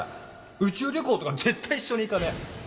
宇宙旅行とか絶対一緒に行かねえ！